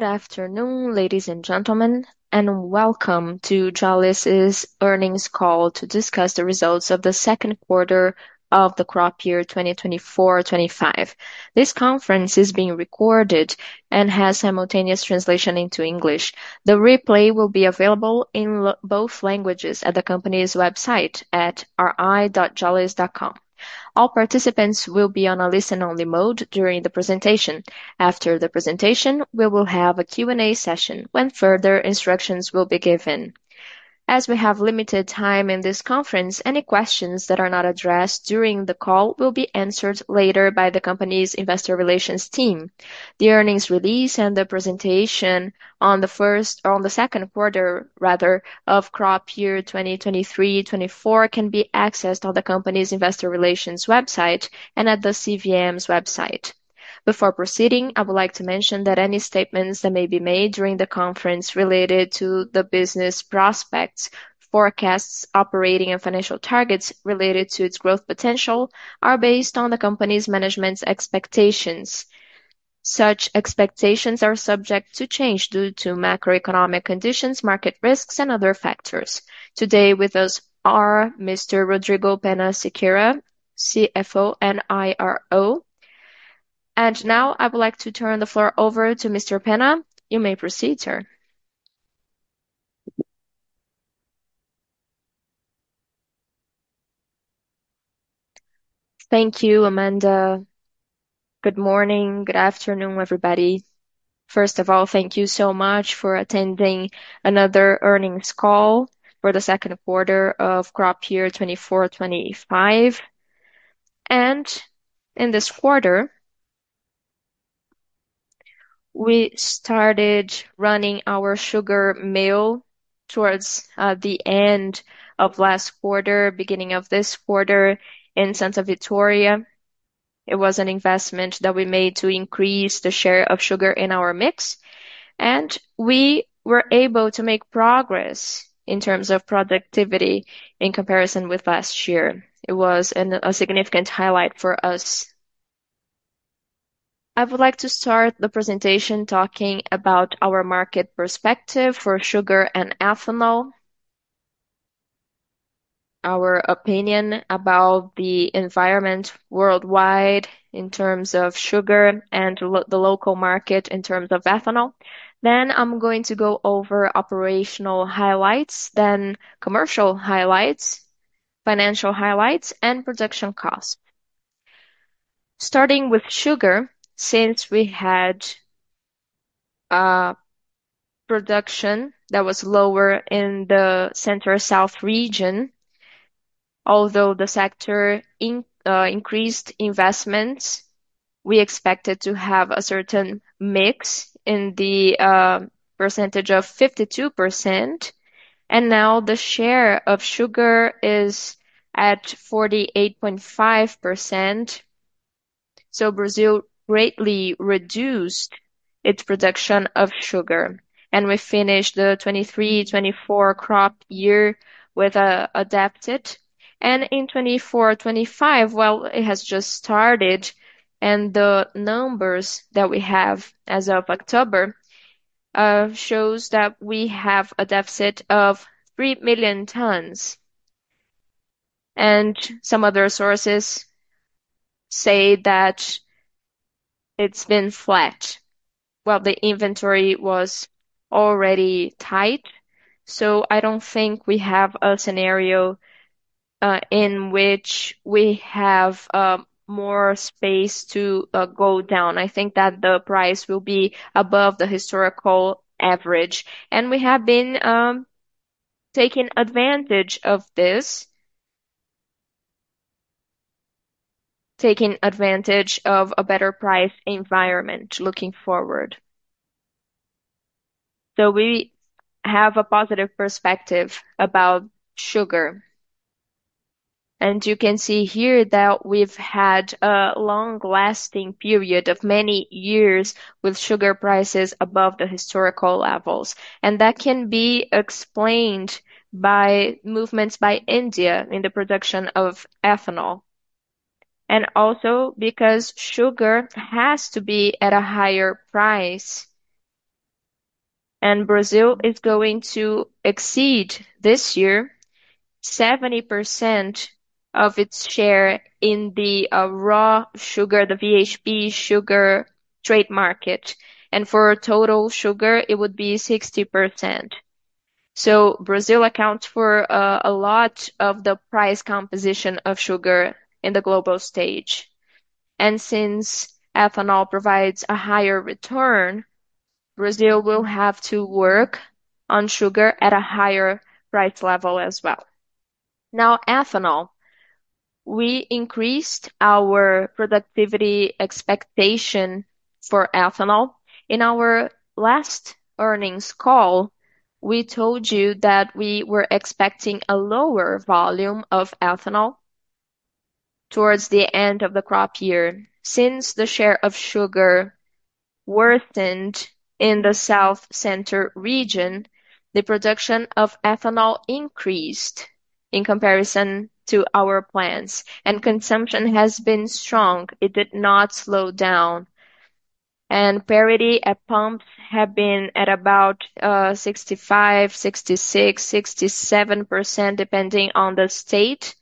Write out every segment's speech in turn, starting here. Good afternoon, ladies and gentlemen, and welcome to Jalles' Earnings Call to discuss the results of the Q2 of the crop year, 2024-25. This conference is being recorded and has simultaneous translation into English. The replay will be available in both languages at the company's website at ri.jalles.com. All participants will be on a listen-only mode during the presentation. After the presentation, we will have a Q&A session when further instructions will be given. As we have limited time in this conference, any questions that are not addressed during the call will be answered later by the company's investor relations team. The earnings release and the presentation on the Q2, rather, of crop year 2023-24 can be accessed on the company's investor relations website and at the CVM's website. Before proceeding, I would like to mention that any statements that may be made during the conference related to the business prospects, forecasts, operating, and financial targets related to its growth potential are based on the company's management's expectations. Such expectations are subject to change due to macroeconomic conditions, market risks, and other factors. Today with us are Mr. Rodrigo Penna de Siqueira, CFO and IRO. And now I would like to turn the floor over to Mr. Penna. You may proceed, sir. Thank you, Amanda. Good morning. Good afternoon, everybody. First of all, thank you so much for attending another earnings call for the Q2 of crop year 24-25. And in this quarter, we started running our sugar mill towards the end of last quarter, beginning of this quarter in Santa Vitória. It was an investment that we made to increase the share of sugar in our mix, and we were able to make progress in terms of productivity in comparison with last year. It was a significant highlight for us. I would like to start the presentation talking about our market perspective for sugar and ethanol, our opinion about the environment worldwide in terms of sugar and the local market in terms of ethanol. Then I'm going to go over operational highlights, then commercial highlights, financial highlights, and production costs. Starting with sugar, since we had production that was lower in the Center-South region, although the sector increased investments, we expected to have a certain mix in the percentage of 52%. And now the share of sugar is at 48.5%. So Brazil greatly reduced its production of sugar. And we finished the 2023-24 crop year with a deficit. In 2024-25, well, it has just started. The numbers that we have as of October show that we have a deficit of three million tons. Some other sources say that it's been flat. The inventory was already tight. I don't think we have a scenario in which we have more space to go down. I think that the price will be above the historical average. We have been taking advantage of this, taking advantage of a better price environment looking forward. We have a positive perspective about sugar. You can see here that we've had a long-lasting period of many years with sugar prices above the historical levels. That can be explained by movements by India in the production of ethanol. Also, because sugar has to be at a higher price. Brazil is going to exceed this year 70% of its share in the raw sugar, the VHP sugar trade market. For total sugar, it would be 60%. Brazil accounts for a lot of the price composition of sugar in the global stage. Since ethanol provides a higher return, Brazil will have to work on sugar at a higher price level as well. Now, ethanol, we increased our productivity expectation for ethanol. In our last earnings call, we told you that we were expecting a lower volume of ethanol towards the end of the crop year. Since the share of sugar worsened in the Center-South region, the production of ethanol increased in comparison to our plants. Consumption has been strong. It did not slow down. Parity at pumps have been at about 65%, 66%, 67%, depending on the state.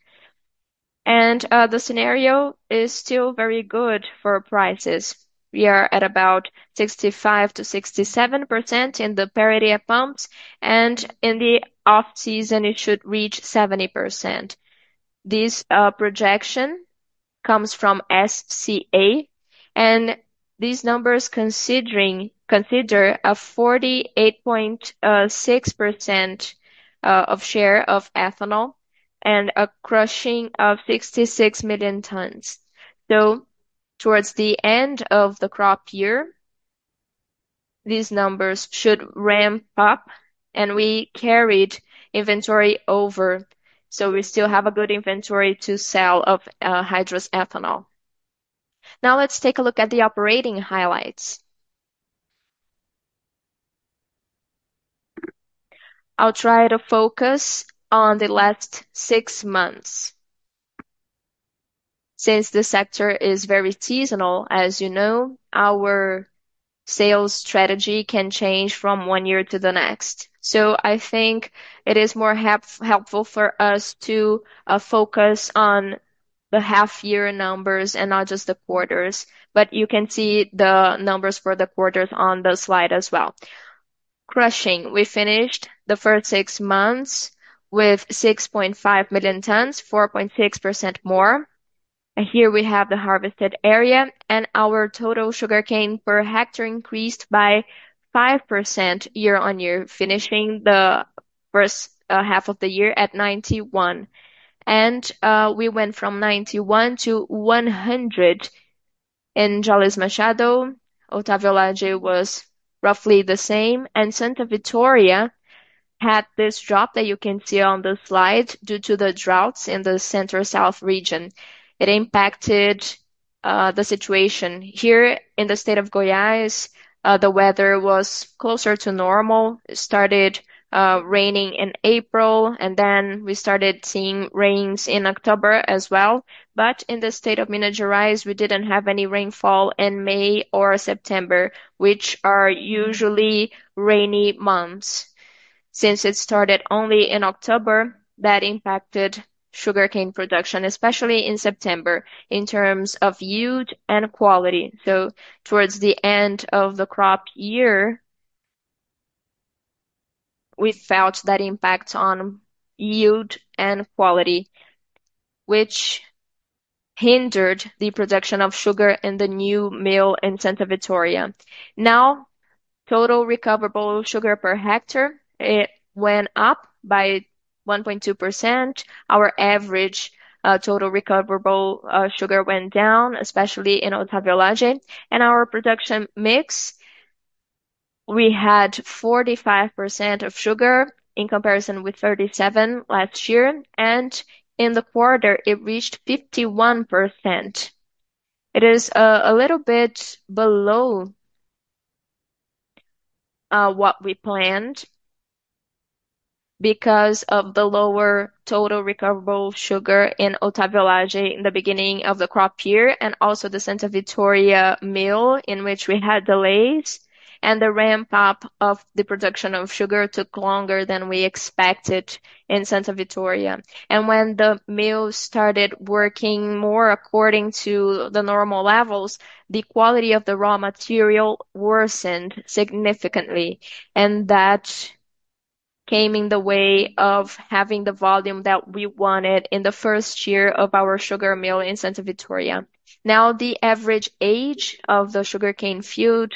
The scenario is still very good for prices. We are at about 65%-67% in the parity at pumps. In the off-season, it should reach 70%. This projection comes from SCA. These numbers consider a 48.6% share of ethanol and a crushing of 66 million tons. Towards the end of the crop year, these numbers should ramp up. We carried inventory over. We still have a good inventory to sell of hydrous ethanol. Now let's take a look at the operating highlights. I'll try to focus on the last six months. Since the sector is very seasonal, as you know, our sales strategy can change from one year to the next. I think it is more helpful for us to focus on the half-year numbers and not just the quarters. But you can see the numbers for the quarters on the slide as well. Crushing, we finished the first six months with 6.5 million tons, 4.6% more, and here we have the harvested area. Our total sugar cane per hectare increased by 5% year-on-year, finishing the first half of the year at 91, and we went from 91 to 100. In Jalles Machado, Otávio Lage was roughly the same, and Santa Vitória had this drop that you can see on the slide due to the droughts in the Center-South region. It impacted the situation. Here in the state of Goiás, the weather was closer to normal. It started raining in April, and then we started seeing rains in October as well. But in the state of Minas Gerais, we didn't have any rainfall in May or September, which are usually rainy months. Since it started only in October, that impacted sugar cane production, especially in September, in terms of yield and quality. So towards the end of the crop year, we felt that impact on yield and quality, which hindered the production of sugar in the new mill in Santa Vitória. Now, total recoverable sugar per hectare went up by 1.2%. Our average total recoverable sugar went down, especially in Otávio Lage. And our production mix, we had 45% of sugar in comparison with 37% last year. And in the quarter, it reached 51%. It is a little bit below what we planned because of the lower total recoverable sugar in Otávio Lage in the beginning of the crop year, and also the Santa Vitória mill in which we had delays. And the ramp-up of the production of sugar took longer than we expected in Santa Vitória. When the mill started working more according to the normal levels, the quality of the raw material worsened significantly. That came in the way of having the volume that we wanted in the first year of our sugar mill in Santa Vitória. Now, the average age of the sugar cane field,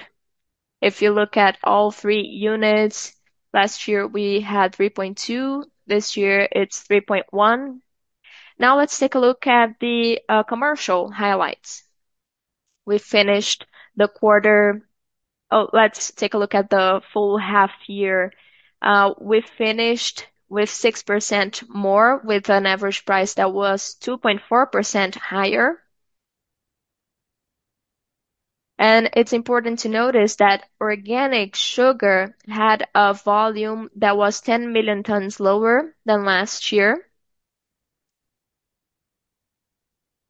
if you look at all three units, last year we had 3.2. This year, it's 3.1. Now, let's take a look at the commercial highlights. We finished the quarter. Oh, let's take a look at the full half-year. We finished with 6% more, with an average price that was 2.4% higher. It's important to notice that organic sugar had a volume that was 10 million tons lower than last year.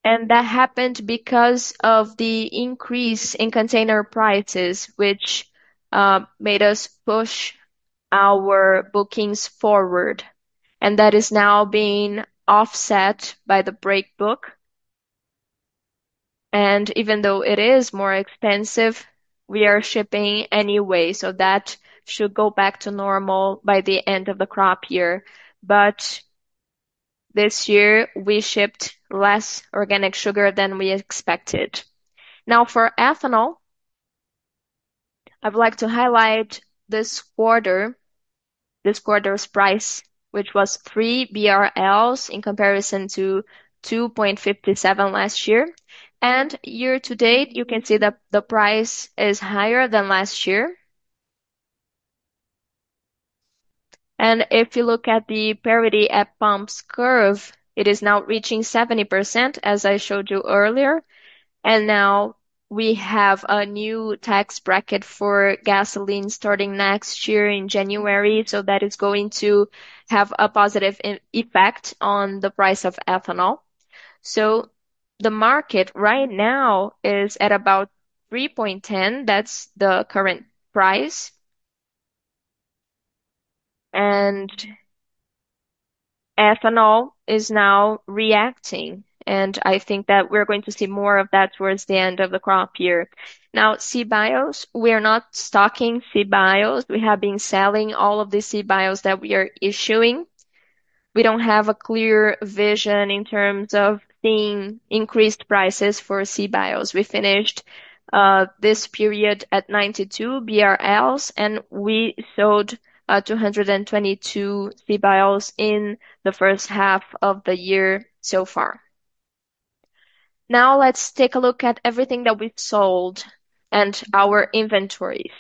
That happened because of the increase in container prices, which made us push our bookings forward. That is now being offset by the brakebook. Even though it is more expensive, we are shipping anyway. That should go back to normal by the end of the crop year. This year, we shipped less organic sugar than we expected. Now, for ethanol, I would like to highlight this quarter's price, which was 3 BRL in comparison to 2.57 last year. Year to date, you can see that the price is higher than last year. If you look at the parity at pumps curve, it is now reaching 70%, as I showed you earlier. Now we have a new tax bracket for gasoline starting next year in January. That is going to have a positive effect on the price of ethanol. The market right now is at about 3.10. That's the current price. Ethanol is now reacting. I think that we're going to see more of that towards the end of the crop year. Now, CBIOs, we are not stocking CBIOs. We have been selling all of the CBIOs that we are issuing. We don't have a clear vision in terms of seeing increased prices for CBIOs. We finished this period at 92 BRL, and we sold 222 CBIOs in the first half of the year so far. Now, let's take a look at everything that we've sold and our inventories.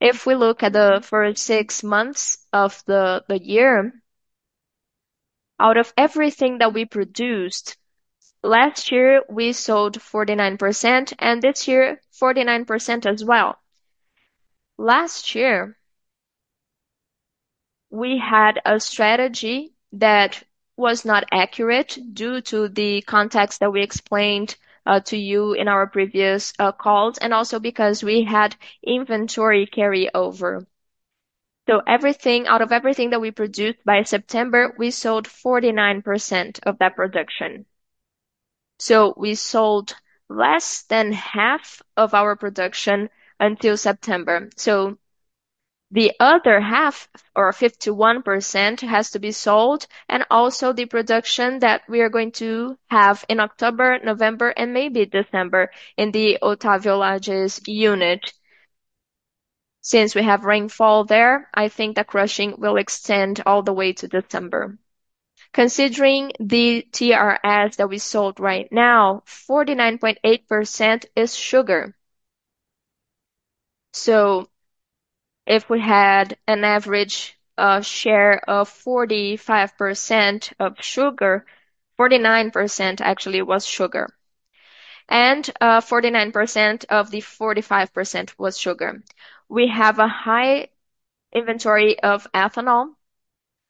If we look at the first six months of the year, out of everything that we produced last year, we sold 49%, and this year, 49% as well. Last year, we had a strategy that was not accurate due to the context that we explained to you in our previous calls, and also because we had inventory carryover. Out of everything that we produced by September, we sold 49% of that production. We sold less than half of our production until September. The other half, or 51%, has to be sold. Also the production that we are going to have in October, November, and maybe December in the Otávio Lage's unit. Since we have rainfall there, I think the crushing will extend all the way to December. Considering the TRS that we sold right now, 49.8% is sugar. If we had an average share of 45% of sugar, 49% actually was sugar. And 49% of the 45% was sugar. We have a high inventory of ethanol.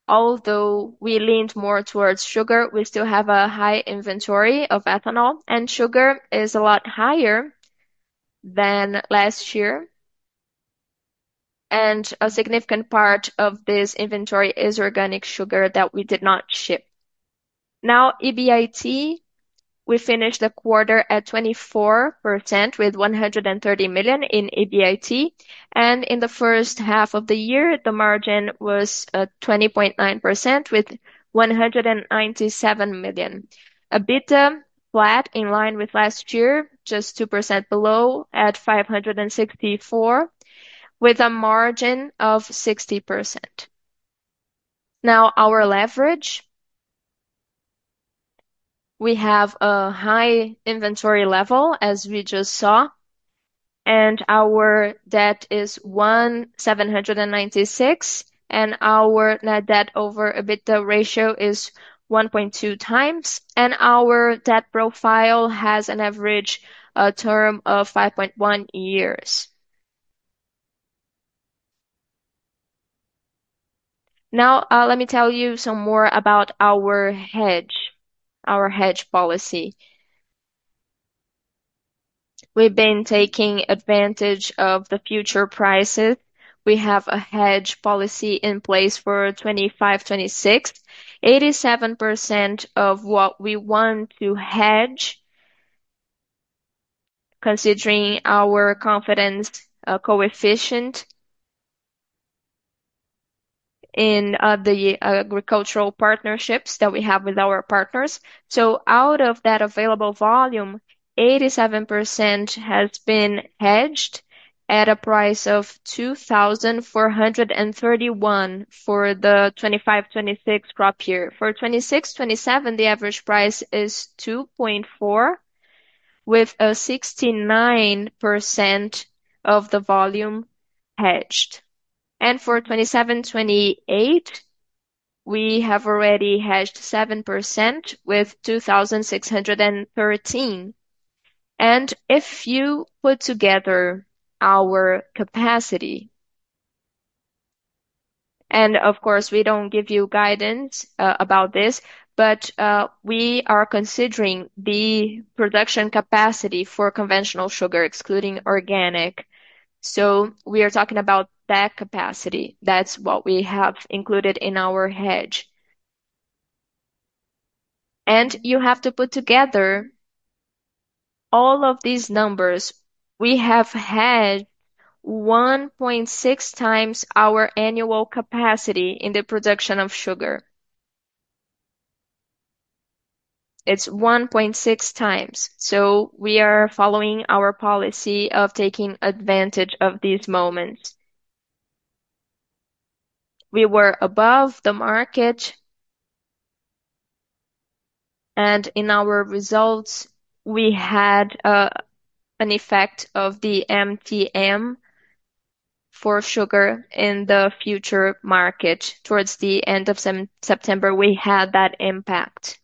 Although we leaned more towards sugar, we still have a high inventory of ethanol. And sugar is a lot higher than last year. A significant part of this inventory is organic sugar that we did not ship. Now, EBIT, we finished the quarter at 24% with 130 million in EBIT. In the first half of the year, the margin was 20.9% with 197 million. A bit flat in line with last year, just 2% below at 564, with a margin of 60%. Now, our leverage, we have a high inventory level, as we just saw. Our debt is 1,796. Our net debt over EBITDA ratio is 1.2 times. Our debt profile has an average term of 5.1 years. Now, let me tell you some more about our hedge, our hedge policy. We've been taking advantage of the future prices. We have a hedge policy in place for 25/26. 87% of what we want to hedge, considering our confidence coefficient in the agricultural partnerships that we have with our partners. Out of that available volume, 87% has been hedged at a price of 2,431 for the 2526 crop year. For 2627, the average price is 2.4, with 69% of the volume hedged. For 2728, we have already hedged 7% with 2,613. If you put together our capacity, and of course, we don't give you guidance about this, but we are considering the production capacity for conventional sugar, excluding organic. We are talking about that capacity. That's what we have included in our hedge. You have to put together all of these numbers. We have had 1.6 times our annual capacity in the production of sugar. It's 1.6 times. We are following our policy of taking advantage of these moments. We were above the market, and in our results, we had an effect of the MTM for sugar in the futures market. Towards the end of September, we had that impact.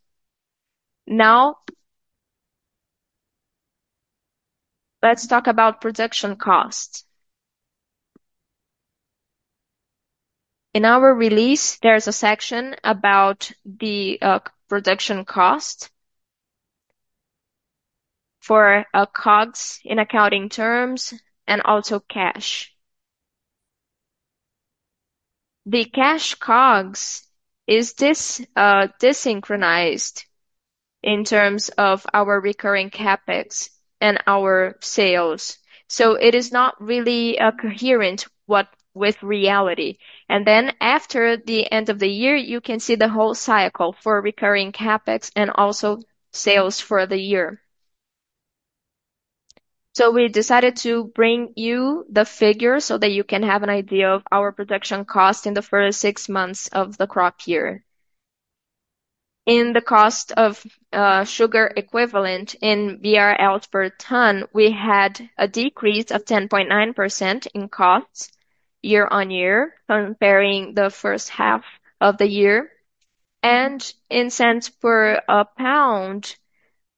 Now, let's talk about production costs. In our release, there's a section about the production cost for COGS in accounting terms and also cash. The cash COGS is desynchronized in terms of our recurring CapEx and our sales, so it is not really coherent with reality, and then after the end of the year, you can see the whole cycle for recurring CapEx and also sales for the year, so we decided to bring you the figure so that you can have an idea of our production cost in the first six months of the crop year. In the cost of sugar equivalent in BRLs per ton, we had a decrease of 10.9% in costs year-on-year comparing the first half of the year. And in cents per pound,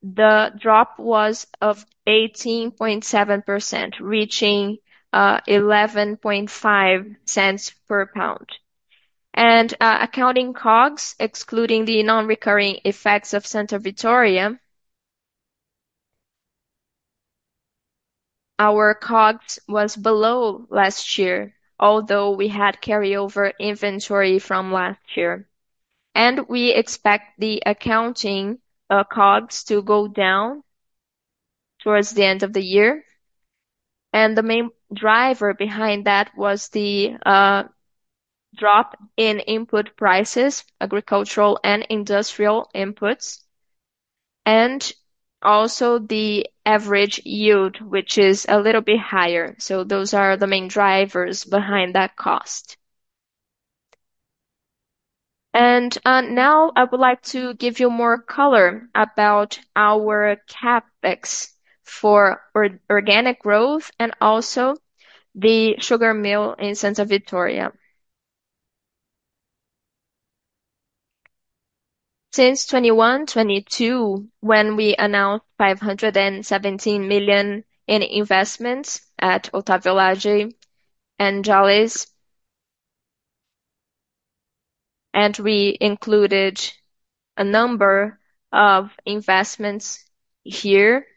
the drop was of 18.7%, reaching $0.115 per pound. And accounting COGS, excluding the non-recurring effects of Santa Vitória, our COGS was below last year, although we had carryover inventory from last year. And we expect the accounting COGS to go down towards the end of the year. And the main driver behind that was the drop in input prices, agricultural and industrial inputs, and also the average yield, which is a little bit higher. So those are the main drivers behind that cost. And now I would like to give you more color about our CapEx for organic growth and also the sugar mill in Santa Vitória. Since 2021/22, when we announced 517 million in investments at Otávio Lage and Jalles, and we included a number of investments here,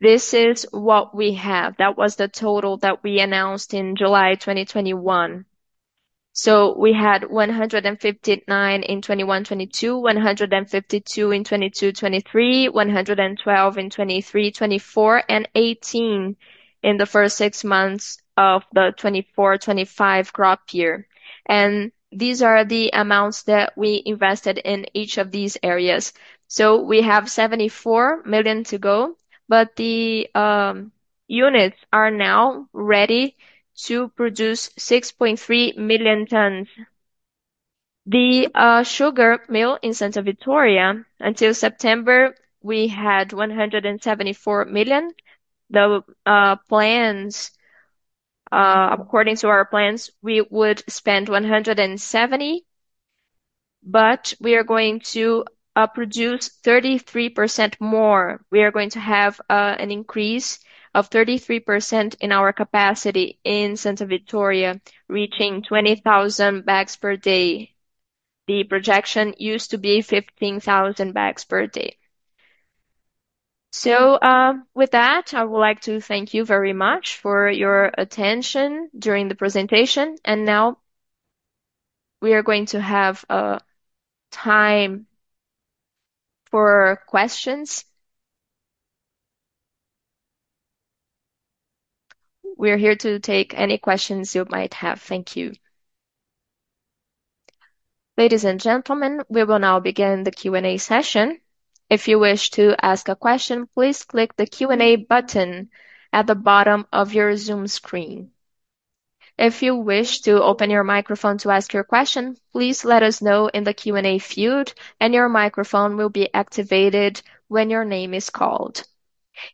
this is what we have. That was the total that we announced in July 2021. So we had 159 million in 2021/22, 152 million in 2022/23, 112 million in 2023/24, and 18 million in the first six months of the 2024/25 crop year. And these are the amounts that we invested in each of these areas. So we have 74 million to go, but the units are now ready to produce 6.3 million tons. The sugar mill in Santa Vitória, until September, we had 174 million. The plans, according to our plans, we would spend 170 million, but we are going to produce 33% more. We are going to have an increase of 33% in our capacity in Santa Vitória, reaching 20,000 bags per day. The projection used to be 15,000 bags per day, so with that, I would like to thank you very much for your attention during the presentation, and now we are going to have time for questions. We're here to take any questions you might have. Thank you. Ladies and gentlemen, we will now begin the Q&A session. If you wish to ask a question, please click the Q&A button at the bottom of your Zoom screen. If you wish to open your microphone to ask your question, please let us know in the Q&A field, and your microphone will be activated when your name is called.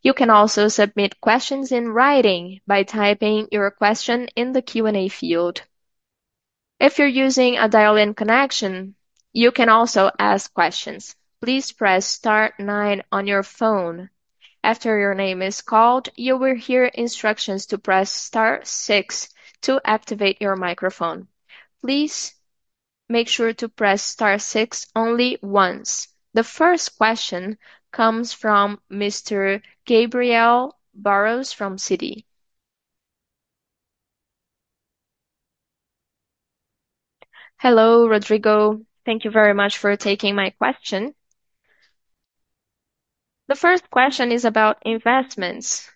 You can also submit questions in writing by typing your question in the Q&A field. If you're using a dial-in connection, you can also ask questions. Please press Star 9 on your phone. After your name is called, you will hear instructions to press Star 6 to activate your microphone. Please make sure to press Star 6 only once. The first question comes from Mr. Gabriel Barros from Citi. Hello, Rodrigo. Thank you very much for taking my question. The first question is about investments,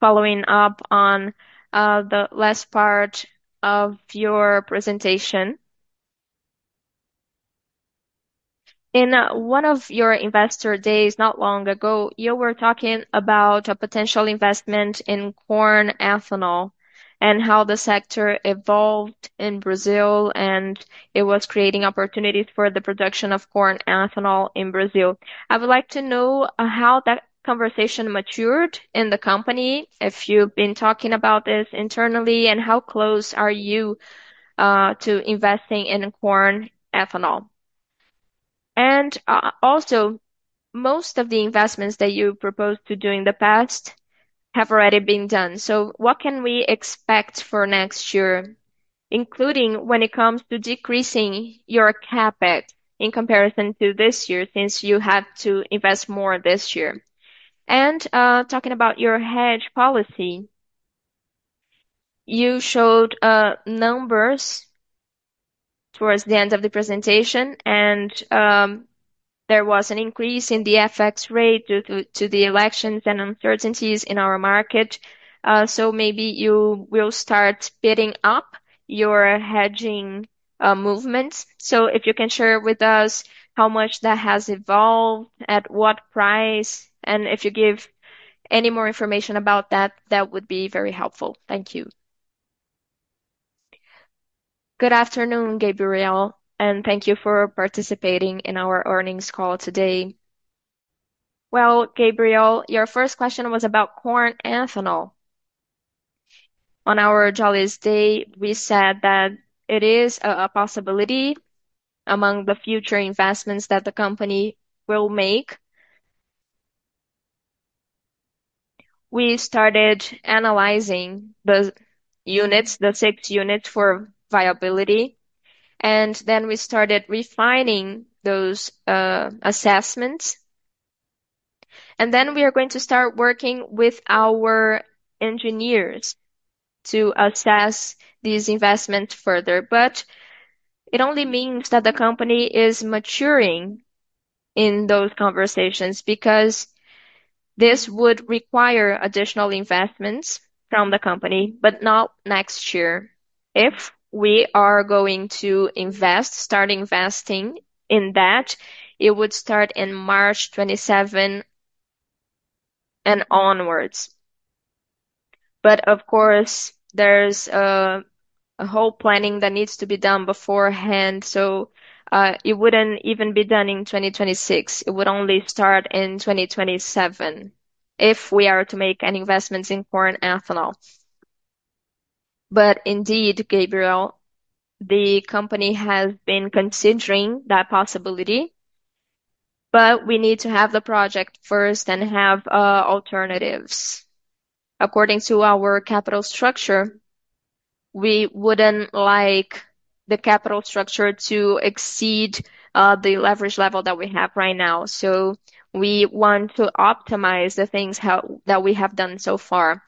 following up on the last part of your presentation. In one of your investor days not long ago, you were talking about a potential investment in corn ethanol and how the sector evolved in Brazil, and it was creating opportunities for the production of corn ethanol in Brazil. I would like to know how that conversation matured in the company, if you've been talking about this internally, and how close are you to investing in corn ethanol. And also, most of the investments that you proposed to do in the past have already been done. So what can we expect for next year, including when it comes to decreasing your CapEx in comparison to this year since you have to invest more this year? And talking about your hedge policy, you showed numbers towards the end of the presentation, and there was an increase in the FX rate due to the elections and uncertainties in our market. So maybe you will start spinning up your hedging movements. So if you can share with us how much that has evolved, at what price, and if you give any more information about that, that would be very helpful. Thank you. Good afternoon, Gabriel, and thank you for participating in our earnings call today. Well, Gabriel, your first question was about corn ethanol. On our Jalles Day, we said that it is a possibility among the future investments that the company will make. We started analyzing the units, the six units for viability, and then we started refining those assessments, then we are going to start working with our engineers to assess these investments further. But it only means that the company is maturing in those conversations because this would require additional investments from the company, but not next year. If we are going to invest, start investing in that, it would start in March 2027 and onwards. But of course, there's a whole planning that needs to be done beforehand. So it wouldn't even be done in 2026. It would only start in 2027 if we are to make any investments in corn ethanol. But indeed, Gabriel, the company has been considering that possibility, but we need to have the project first and have alternatives. According to our capital structure, we wouldn't like the capital structure to exceed the leverage level that we have right now. So we want to optimize the things that we have done so far.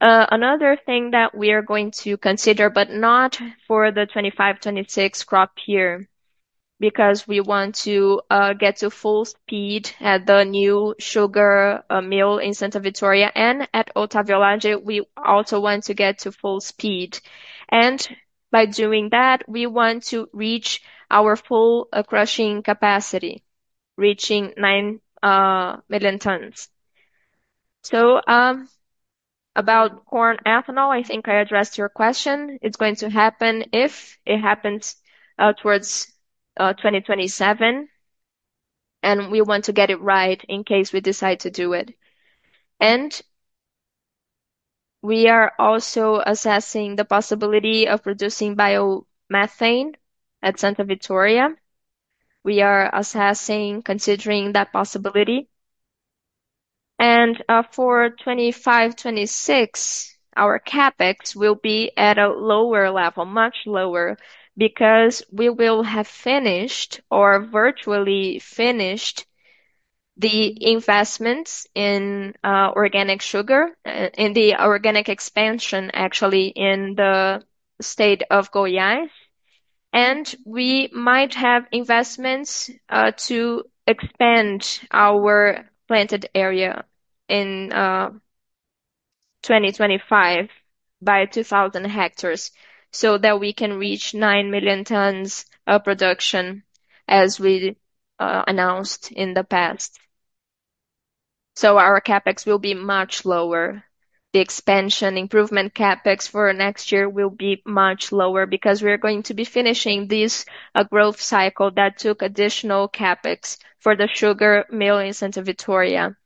Another thing that we are going to consider, but not for the 25/26 crop year, because we want to get to full speed at the new sugar mill in Santa Vitória and at Otávio Lage, we also want to get to full speed. And by doing that, we want to reach our full crushing capacity, reaching nine million tons. So about corn ethanol, I think I addressed your question. It's going to happen if it happens towards 2027, and we want to get it right in case we decide to do it. And we are also assessing the possibility of producing biomethane at Santa Vitória. We are assessing, considering that possibility. For 25/26, our CapEx will be at a lower level, much lower, because we will have finished or virtually finished the investments in organic sugar, in the organic expansion, actually, in the state of Goiás. We might have investments to expand our planted area in 2025 by 2,000 hectares so that we can reach nine million tons of production, as we announced in the past. Our CapEx will be much lower. The expansion improvement CapEx for next year will be much lower because we are going to be finishing this growth cycle that took additional CapEx for the sugar mill in Santa Vitória,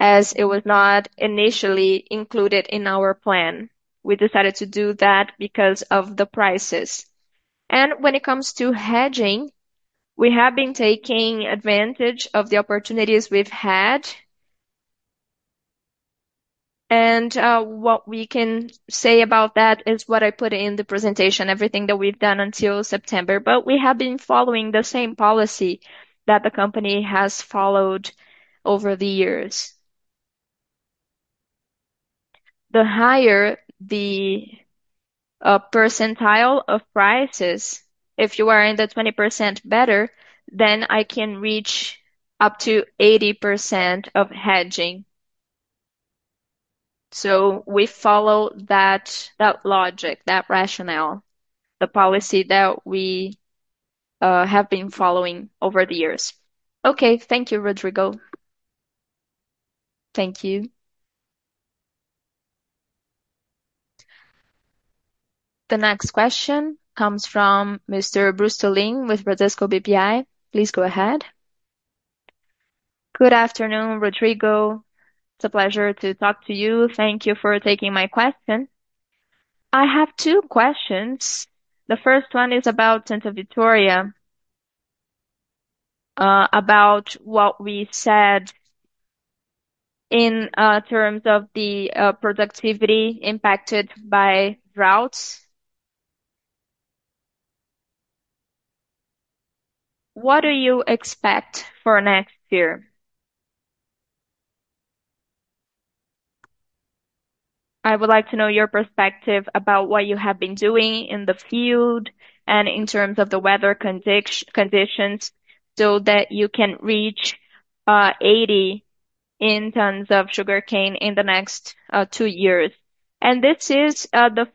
as it was not initially included in our plan. We decided to do that because of the prices. When it comes to hedging, we have been taking advantage of the opportunities we've had. And what we can say about that is what I put in the presentation, everything that we've done until September. But we have been following the same policy that the company has followed over the years. The higher the percentile of prices, if you are in the 20% better, then I can reach up to 80% of hedging. So we follow that logic, that rationale, the policy that we have been following over the years. Okay, thank you, Rodrigo. Thank you. The next question comes from Mr. Bruce Tulin with Bradesco BBI. Please go ahead. Good afternoon, Rodrigo. It's a pleasure to talk to you. Thank you for taking my question. I have two questions. The first one is about Santa Vitória, about what we said in terms of the productivity impacted by droughts. What do you expect for next year? I would like to know your perspective about what you have been doing in the field and in terms of the weather conditions so that you can reach 80 tons of sugarcane in the next two years. This is the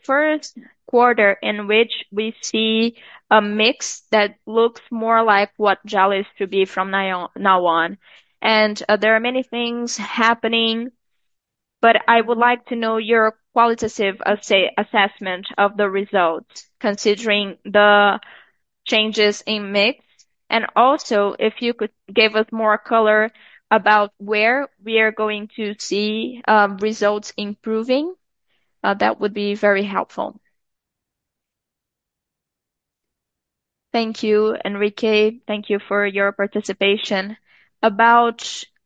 Q1 in which we see a mix that looks more like what Jalles should be from now on. There are many things happening, but I would like to know your qualitative assessment of the results, considering the changes in mix. Also, if you could give us more color about where we are going to see results improving, that would be very helpful. Thank you, Enrique. Thank you for your participation. About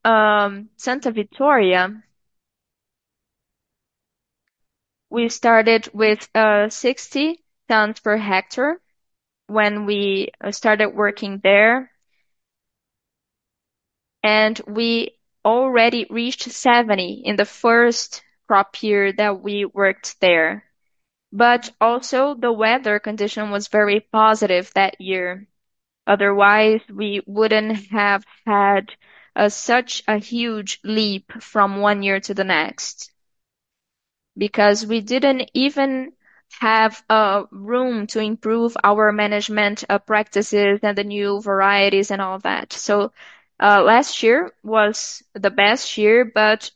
Santa Vitória, we started with 60 tons per hectare when we started working there, and we already reached 70 tons in the first crop year that we worked there. But also, the weather condition was very positive that year. Otherwise, we wouldn't have had such a huge leap from one year to the next because we didn't even have room to improve our management practices and the new varieties and all that. So last year was the best year, but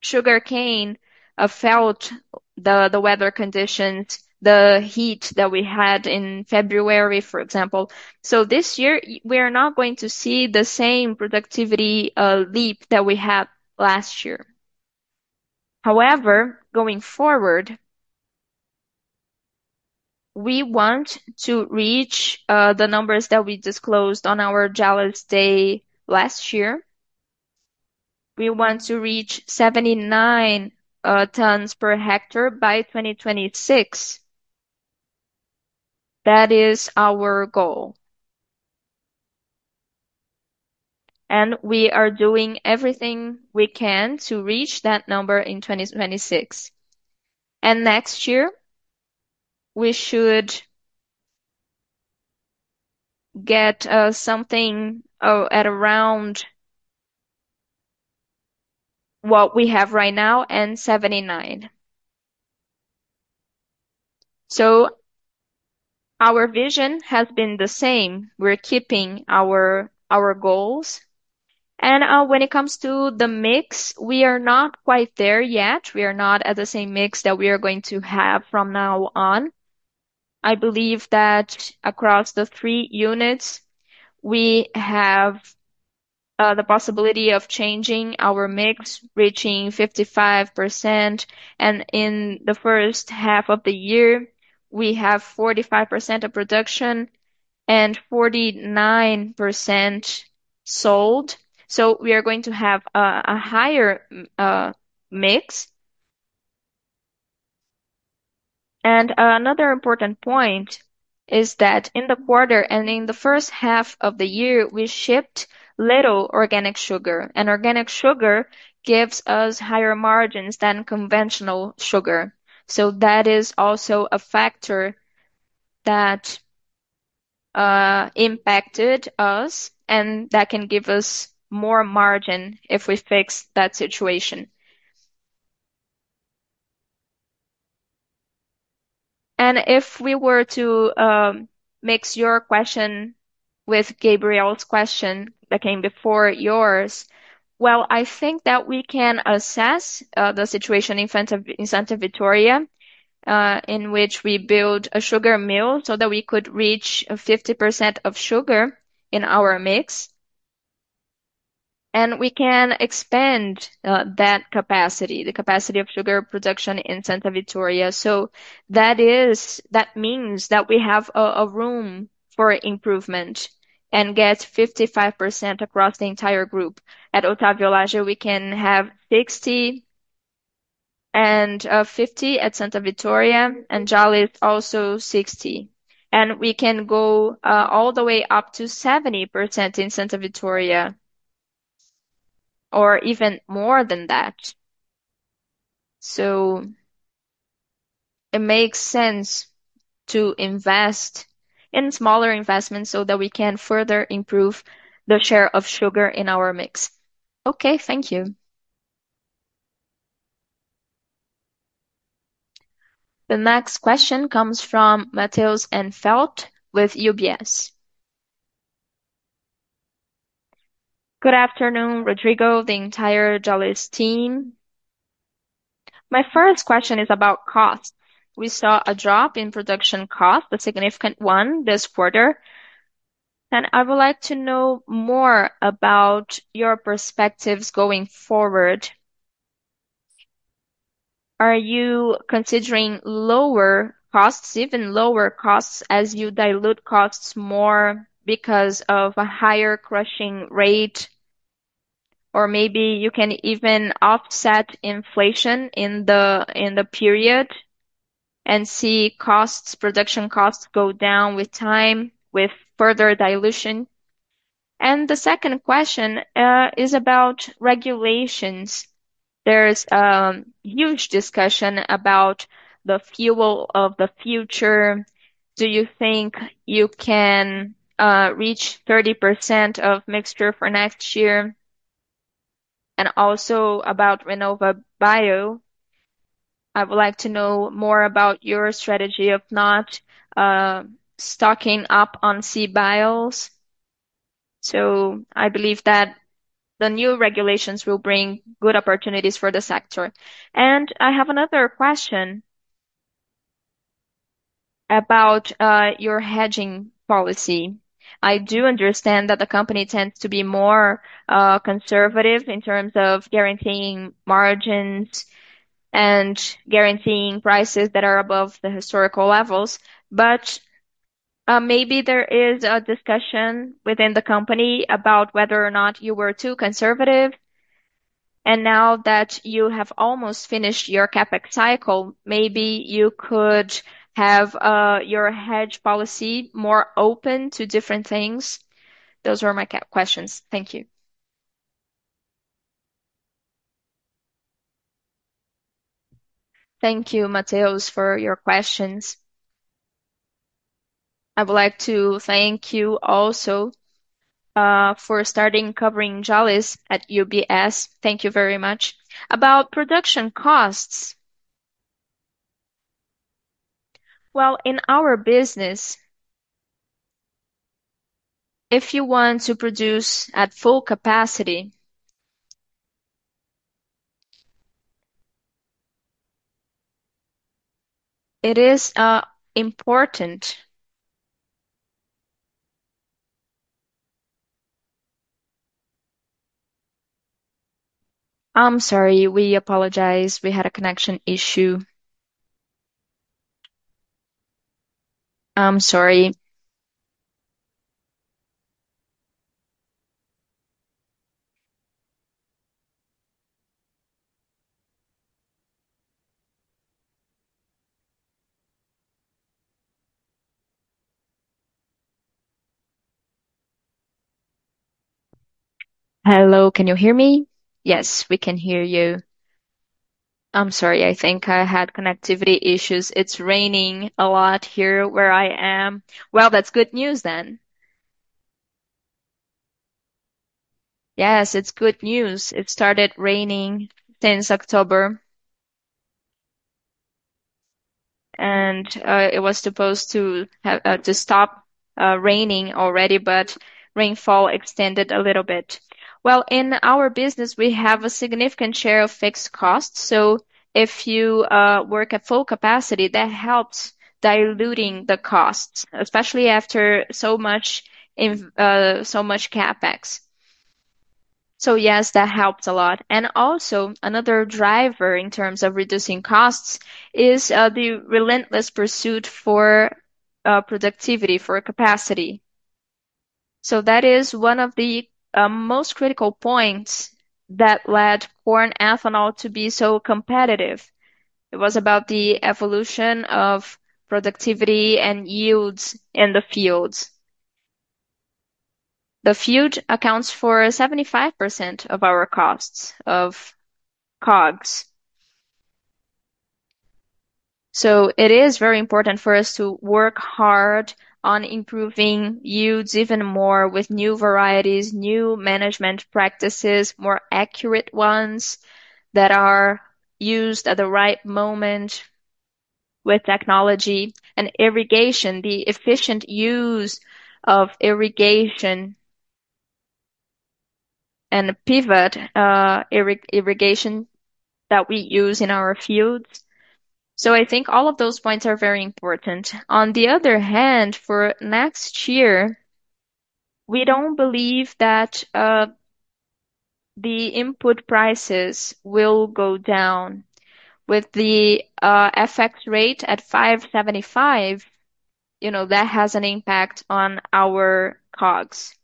sugarcane felt the weather conditions, the heat that we had in February, for example. So this year, we are not going to see the same productivity leap that we had last year. However, going forward, we want to reach the numbers that we disclosed on our Jalles Day last year. We want to reach 79 tons per hectare by 2026. That is our goal. And we are doing everything we can to reach that number in 2026. And next year, we should get something at around what we have right now and 79. So our vision has been the same. We're keeping our goals. And when it comes to the mix, we are not quite there yet. We are not at the same mix that we are going to have from now on. I believe that across the three units, we have the possibility of changing our mix, reaching 55%. And in the first half of the year, we have 45% of production and 49% sold. So we are going to have a higher mix. And another important point is that in the quarter and in the first half of the year, we shipped little organic sugar. And organic sugar gives us higher margins than conventional sugar. So that is also a factor that impacted us, and that can give us more margin if we fix that situation. If we were to mix your question with Gabriel's question that came before yours, well, I think that we can assess the situation in Santa Vitória in which we build a sugar mill so that we could reach 50% of sugar in our mix. We can expand that capacity, the capacity of sugar production in Santa Vitória. That means that we have room for improvement and get 55% across the entire group. At Otávio Lage, we can have 60% and 50% at Santa Vitória, and Jalles also 60%. We can go all the way up to 70% in Santa Vitória or even more than that. It makes sense to invest in smaller investments so that we can further improve the share of sugar in our mix. Okay, thank you. The next question comes from Matheus Enfeldt with UBS. Good afternoon, Rodrigo, the entire Jalles team. My first question is about costs. We saw a drop in production costs, a significant one this quarter, and I would like to know more about your perspectives going forward. Are you considering lower costs, even lower costs as you dilute costs more because of a higher crushing rate, or maybe you can even offset inflation in the period and see production costs go down with time with further dilution, and the second question is about regulations. There's a huge discussion about the Fuel of the Future. Do you think you can reach 30% of mixture for next year, and also about RenovaBio, I would like to know more about your strategy of not stocking up on CBIOs, so I believe that the new regulations will bring good opportunities for the sector, and I have another question about your hedging policy. I do understand that the company tends to be more conservative in terms of guaranteeing margins and guaranteeing prices that are above the historical levels. But maybe there is a discussion within the company about whether or not you were too conservative. And now that you have almost finished your CapEx cycle, maybe you could have your hedge policy more open to different things. Those were my questions. Thank you. Thank you, Matheus, for your questions. I would like to thank you also for starting covering Jalles at UBS. Thank you very much. About production costs, well, in our business, if you want to produce at full capacity, it is important. I'm sorry, we apologize. We had a connection issue. I'm sorry. Hello, can you hear me? Yes, we can hear you. I'm sorry, I think I had connectivity issues. It's raining a lot here where I am. That's good news then. Yes, it's good news. It started raining since October. It was supposed to stop raining already, but rainfall extended a little bit. In our business, we have a significant share of fixed costs. If you work at full capacity, that helps diluting the costs, especially after so much CapEx. Yes, that helps a lot. Also, another driver in terms of reducing costs is the relentless pursuit for productivity, for capacity. That is one of the most critical points that led corn ethanol to be so competitive. It was about the evolution of productivity and yields in the fields. The field accounts for 75% of our costs of COGS. So it is very important for us to work hard on improving yields even more with new varieties, new management practices, more accurate ones that are used at the right moment with technology, and irrigation, the efficient use of irrigation and pivot irrigation that we use in our fields. So I think all of those points are very important. On the other hand, for next year, we don't believe that the input prices will go down. With the FX rate at 5.75, that has an impact on our COGS.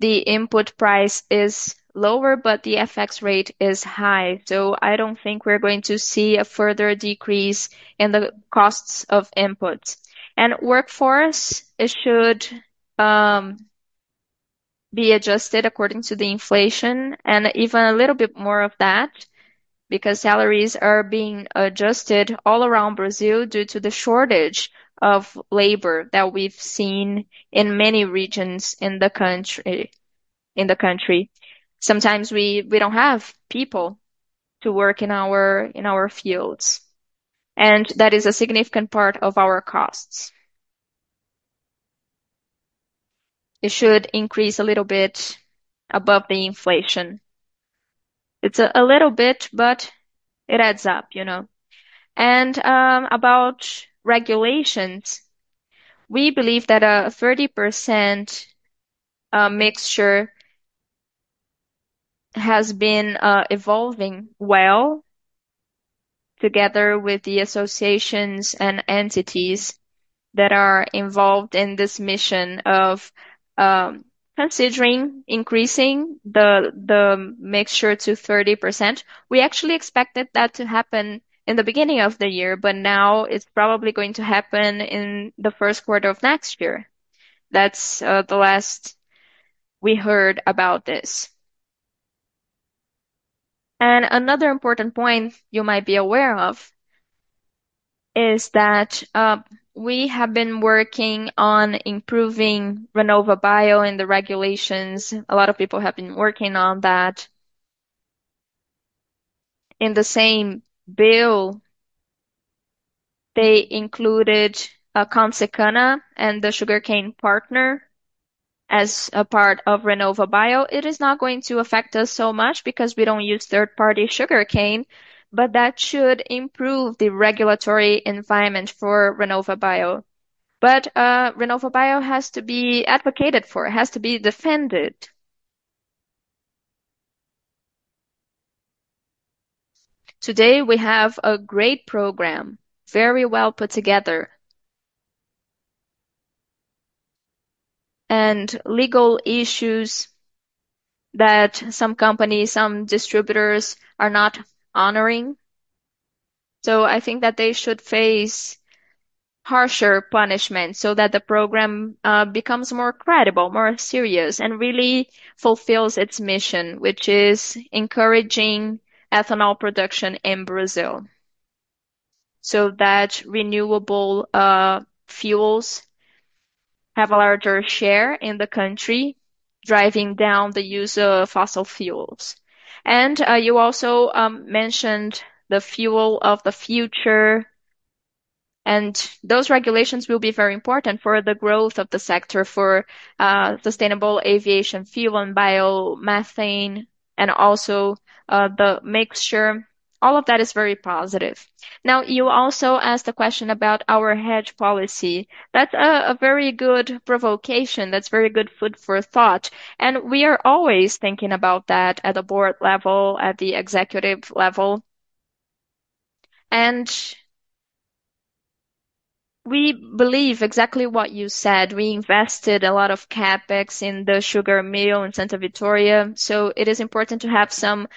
The input price is lower, but the FX rate is high. So I don't think we're going to see a further decrease in the costs of inputs. Workforce should be adjusted according to the inflation and even a little bit more of that because salaries are being adjusted all around Brazil due to the shortage of labor that we've seen in many regions in the country. Sometimes we don't have people to work in our fields. That is a significant part of our costs. It should increase a little bit above the inflation. It's a little bit, but it adds up. About regulations, we believe that a 30% mixture has been evolving well together with the associations and entities that are involved in this mission of considering increasing the mixture to 30%. We actually expected that to happen in the beginning of the year, but now it's probably going to happen in the Q1 of next year. That's the last we heard about this. Another important point you might be aware of is that we have been working on improving RenovaBio in the regulations. A lot of people have been working on that. In the same bill, they included Consecana and the Sugarcane Partner as a part of RenovaBio. It is not going to affect us so much because we don't use third-party sugarcane, but that should improve the regulatory environment for RenovaBio. RenovaBio has to be advocated for. It has to be defended. Today, we have a great program, very well put together, and legal issues that some companies, some distributors are not honoring. So I think that they should face harsher punishment so that the program becomes more credible, more serious, and really fulfills its mission, which is encouraging ethanol production in Brazil so that renewable fuels have a larger share in the country, driving down the use of fossil fuels. And you also mentioned the fuel of the future. And those regulations will be very important for the growth of the sector, for sustainable aviation fuel and biomethane, and also the mixture. All of that is very positive. Now, you also asked a question about our hedge policy. That's a very good provocation. That's very good food for thought. And we are always thinking about that at the board level, at the executive level. And we believe exactly what you said. We invested a lot of CapEx in the sugar mill in Santa Vitória. So it is important to have some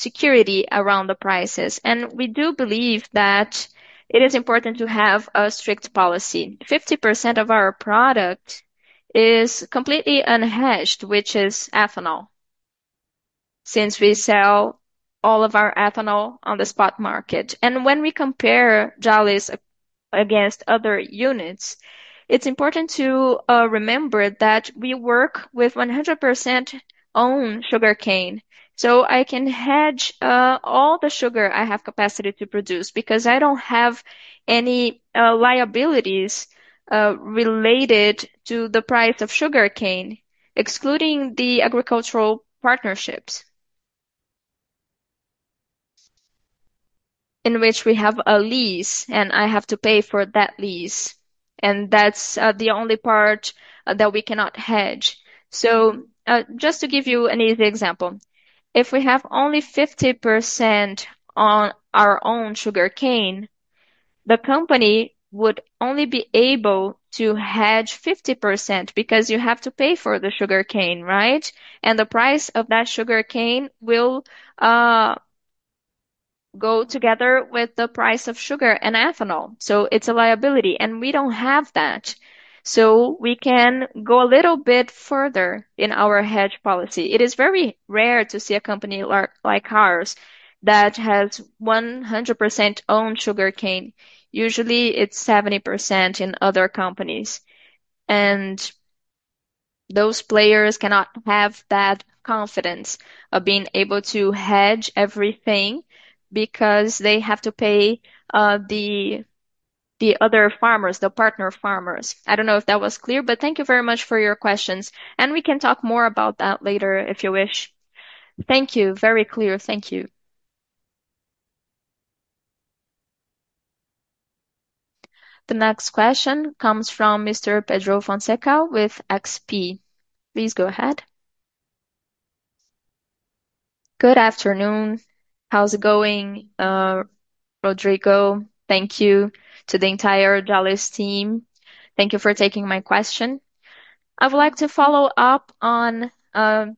security around the prices. And we do believe that it is important to have a strict policy. 50% of our product is completely unhedged, which is ethanol, since we sell all of our ethanol on the spot market. And when we compare Jalles against other units, it's important to remember that we work with 100% own sugarcane. So I can hedge all the sugar I have capacity to produce because I don't have any liabilities related to the price of sugarcane, excluding the agricultural partnerships in which we have a lease, and I have to pay for that lease. And that's the only part that we cannot hedge. So just to give you an easy example, if we have only 50% on our own sugarcane, the company would only be able to hedge 50% because you have to pay for the sugarcane, right? The price of that sugarcane will go together with the price of sugar and ethanol. So it's a liability, and we don't have that. So we can go a little bit further in our hedge policy. It is very rare to see a company like ours that has 100% own sugarcane. Usually, it's 70% in other companies. And those players cannot have that confidence of being able to hedge everything because they have to pay the other farmers, the partner farmers. I don't know if that was clear, but thank you very much for your questions. And we can talk more about that later if you wish. Thank you. Very clear. Thank you. The next question comes from Mr. Pedro Fonseca with XP. Please go ahead. Good afternoon. How's it going, Rodrigo? Thank you to the entire Jalles team. Thank you for taking my question. I would like to follow up on corn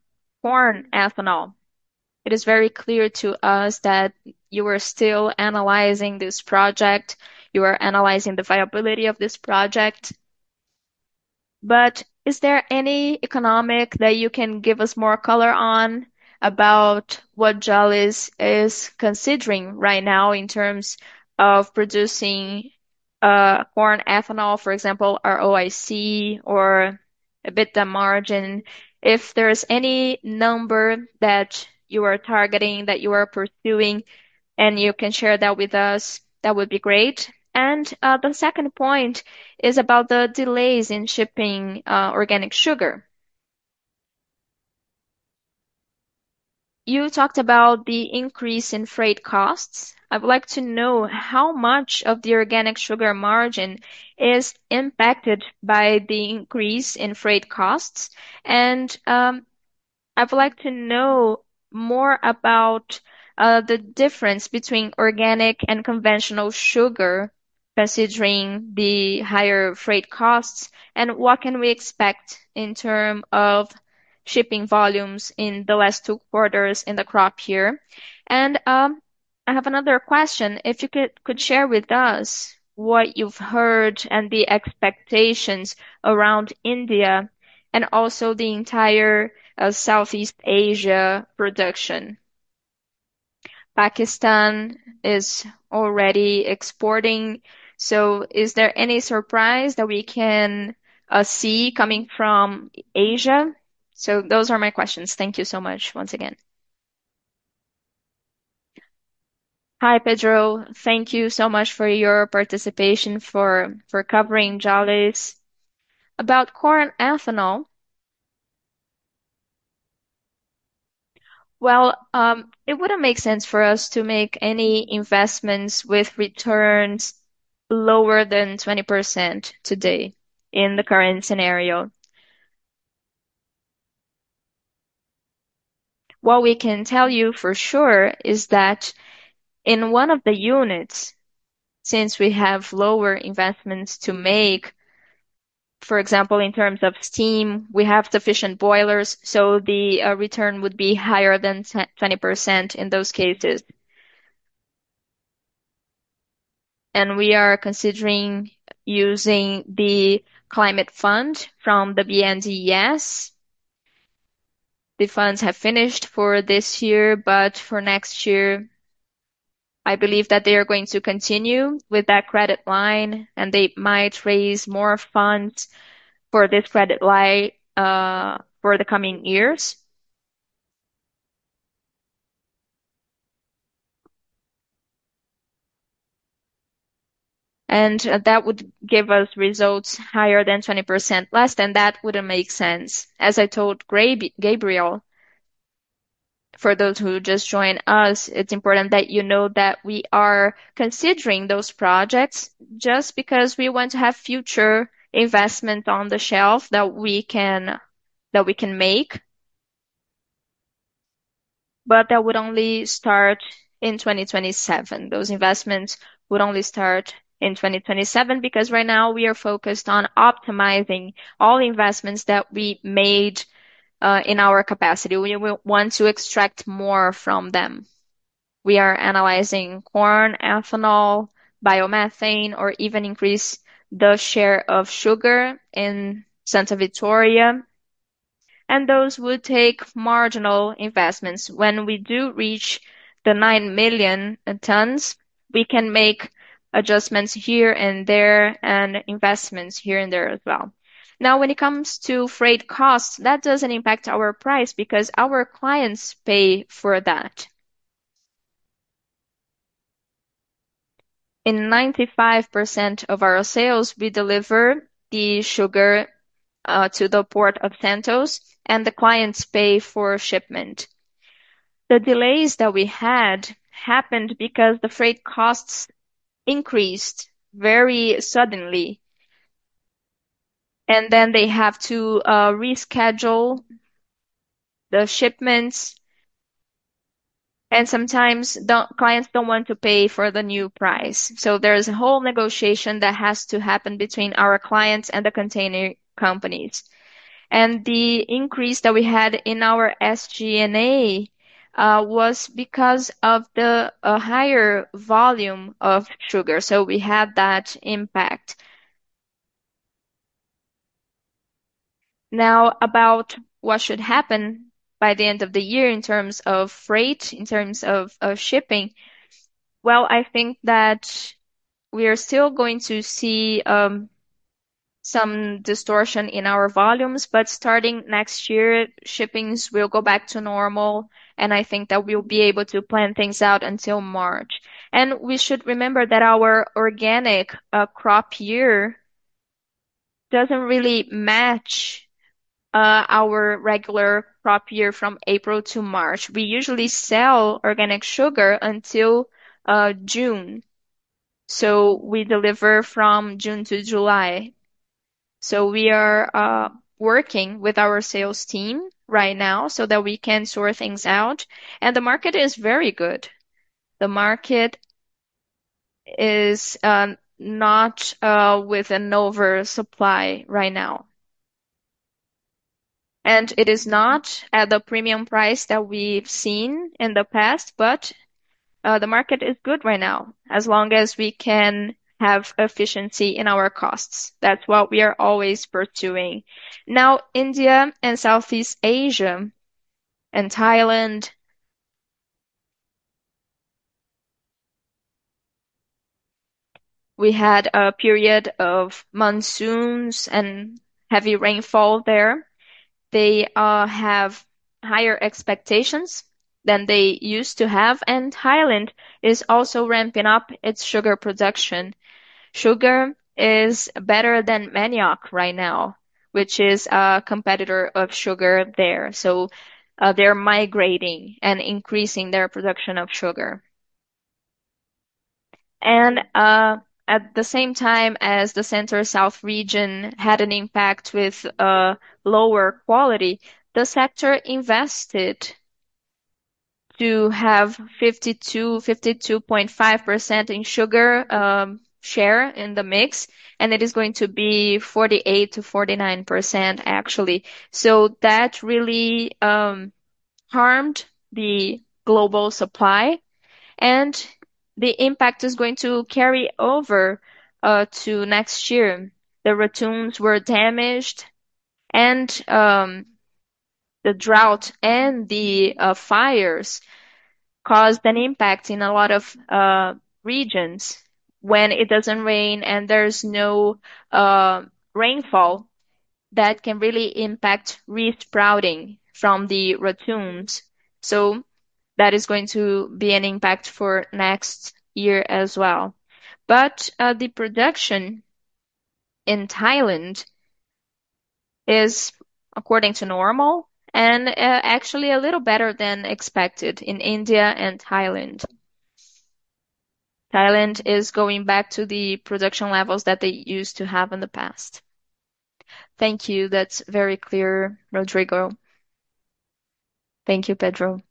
ethanol. It is very clear to us that you are still analyzing this project. You are analyzing the viability of this project. But is there any economics that you can give us more color on about what Jalles is considering right now in terms of producing corn ethanol, for example, or EBITDA or about the margin? If there's any number that you are targeting, that you are pursuing, and you can share that with us, that would be great. And the second point is about the delays in shipping organic sugar. You talked about the increase in freight costs. I would like to know how much of the organic sugar margin is impacted by the increase in freight costs. And I would like to know more about the difference between organic and conventional sugar considering the higher freight costs and what can we expect in terms of shipping volumes in the last two quarters in the crop year. And I have another question. If you could share with us what you've heard and the expectations around India and also the entire Southeast Asia production. Pakistan is already exporting. So is there any surprise that we can see coming from Asia? So those are my questions. Thank you so much once again. Hi, Pedro. Thank you so much for your participation for covering Jalles. About corn ethanol, well, it wouldn't make sense for us to make any investments with returns lower than 20% today in the current scenario. What we can tell you for sure is that in one of the units, since we have lower investments to make, for example, in terms of steam, we have sufficient boilers, so the return would be higher than 20% in those cases. And we are considering using the Climate Fund from the BNDES. The funds have finished for this year, but for next year, I believe that they are going to continue with that credit line, and they might raise more funds for this credit line for the coming years. And that would give us results higher than 20% less, and that wouldn't make sense. As I told Gabriel, for those who just joined us, it's important that you know that we are considering those projects just because we want to have future investment on the shelf that we can make, but that would only start in 2027. Those investments would only start in 2027 because right now we are focused on optimizing all investments that we made in our capacity. We want to extract more from them. We are analyzing corn ethanol, biomethane, or even increase the share of sugar in Santa Vitória, and those would take marginal investments. When we do reach the nine million tons, we can make adjustments here and there and investments here and there as well. Now, when it comes to freight costs, that doesn't impact our price because our clients pay for that. In 95% of our sales, we deliver the sugar to the Port of Santos, and the clients pay for shipment. The delays that we had happened because the freight costs increased very suddenly, and then they have to reschedule the shipments, and sometimes clients don't want to pay for the new price. So there's a whole negotiation that has to happen between our clients and the container companies. And the increase that we had in our SG&A was because of the higher volume of sugar. So we had that impact. Now, about what should happen by the end of the year in terms of freight, in terms of shipping, well, I think that we are still going to see some distortion in our volumes, but starting next year, shipping will go back to normal, and I think that we'll be able to plan things out until March. And we should remember that our organic crop year doesn't really match our regular crop year from April to March. We usually sell organic sugar until June. So we deliver from June to July. So we are working with our sales team right now so that we can sort things out. And the market is very good. The market is not with an oversupply right now. And it is not at the premium price that we've seen in the past, but the market is good right now as long as we can have efficiency in our costs. That's what we are always pursuing. Now, India and Southeast Asia and Thailand, we had a period of monsoons and heavy rainfall there. They have higher expectations than they used to have, and Thailand is also ramping up its sugar production. Sugar is better than Manioc right now, which is a competitor of sugar there. So they're migrating and increasing their production of sugar. And at the same time as the Center-South region had an impact with lower quality, the sector invested to have 52.5% in sugar share in the mix, and it is going to be 48%-49%, actually. So that really harmed the global supply, and the impact is going to carry over to next year. The ratoons were damaged, and the drought and the fires caused an impact in a lot of regions when it doesn't rain, and there's no rainfall that can really impact ratoon sprouting from the ratoons. So that is going to be an impact for next year as well. But the production in Thailand is, according to normal, and actually a little better than expected in India and Thailand. Thailand is going back to the production levels that they used to have in the past. Thank you. That's very clear, Rodrigo. Thank you, Pedro.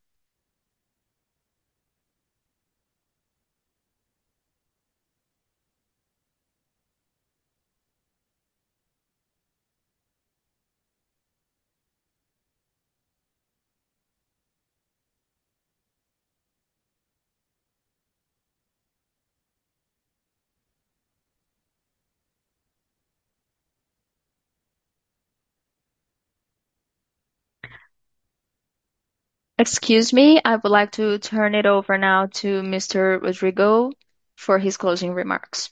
Excuse me. I would like to turn it over now to Mr. Rodrigo for his closing remarks.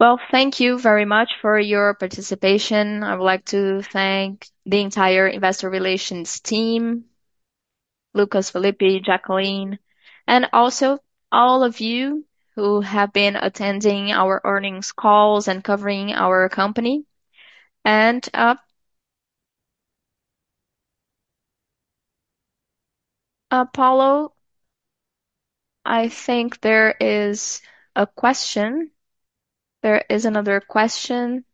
Well, thank you very much for your participation. I would like to thank the entire investor relations team, Lucas, Felipe, Jacqueline, and also all of you who have been attending our Earnings Calls and covering our company. And Apollo, I think there is a question. There is another question.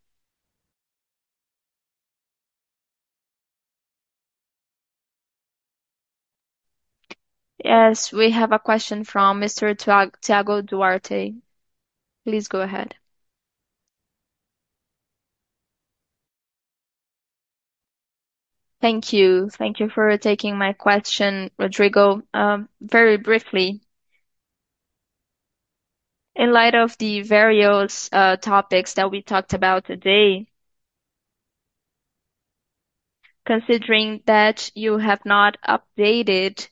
Yes, we have a question from Mr. Thiago Duarte. Please go ahead. Thank you. Thank you for taking my question, Rodrigo. Very briefly, in light of the various topics that we talked about today, considering that you have not updated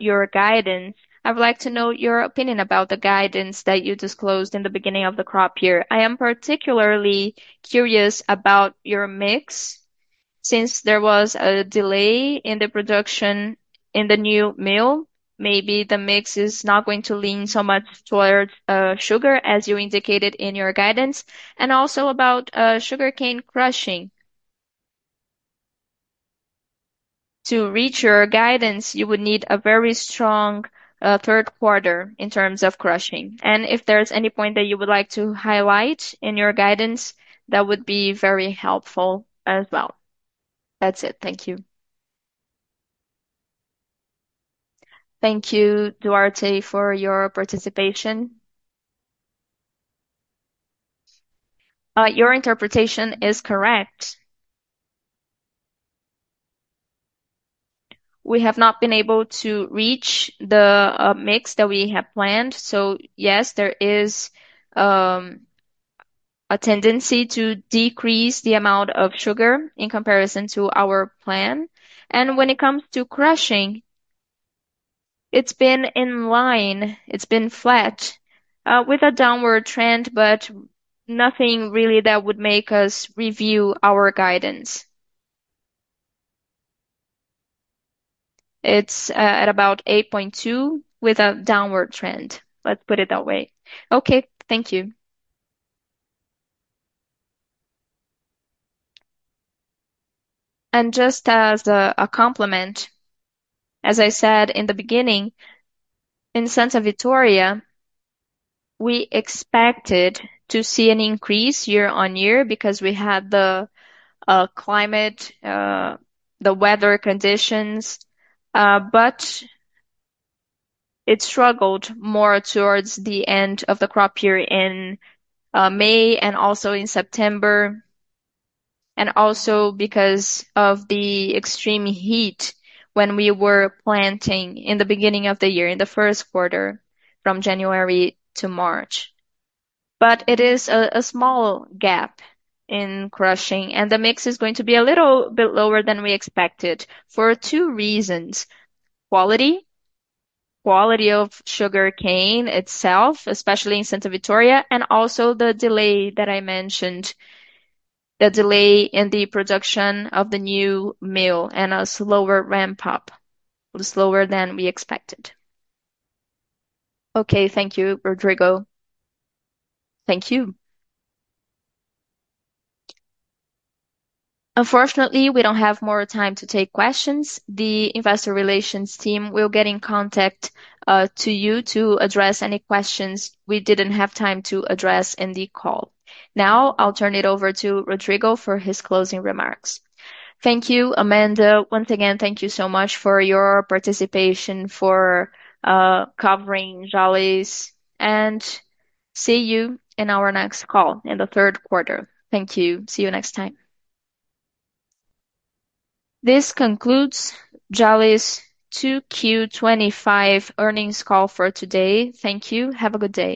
your guidance, I would like to know your opinion about the guidance that you disclosed in the beginning of the crop year. I am particularly curious about your mix since there was a delay in the production in the new mill. Maybe the mix is not going to lean so much towards sugar, as you indicated in your guidance. And also about sugarcane crushing. To reach your guidance, you would need a very strong Q3 in terms of crushing. And if there's any point that you would like to highlight in your guidance, that would be very helpful as well. That's it. Thank you. Thank you, Duarte, for your participation. Your interpretation is correct. We have not been able to reach the mix that we have planned. So yes, there is a tendency to decrease the amount of sugar in comparison to our plan. And when it comes to crushing, it's been in line. It's been flat with a downward trend, but nothing really that would make us review our guidance. It's at about 8.2 with a downward trend. Let's put it that way. Okay. Thank you. And just as a compliment, as I said in the beginning, in Santa Vitória, we expected to see an increase year on year because we had the climate, the weather conditions, but it struggled more towards the end of the crop year in May and also in September, and also because of the extreme heat when we were planting in the beginning of the year, in the Q1 from January to March. But it is a small gap in crushing, and the mix is going to be a little bit lower than we expected for two reasons: quality, quality of sugarcane itself, especially in Santa Vitória, and also the delay that I mentioned, the delay in the production of the new mill and a slower ramp-up, slower than we expected. Okay. Thank you, Rodrigo. Thank you. Unfortunately, we don't have more time to take questions. The investor relations team will get in contact with you to address any questions we didn't have time to address in the call. Now, I'll turn it over to Rodrigo for his closing remarks. Thank you, Amanda. Once again, thank you so much for your participation for covering Jalles. And see you in our next call in the Q3. Thank you. See you next time. This concludes Jalles 2Q 2025 Earnings Call for today. Thank you. Have a good day.